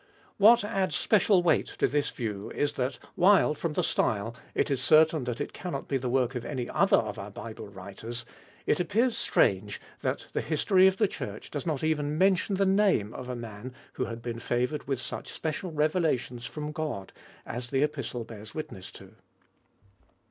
What adds special weight to this view is that, while from the style it is certain that it cannot be the work of any other of our Bible writers, it appears strange that the history of the Church does not even mention the name of a man who had been favoured with such special revelations from God as the Epistle bears witness to.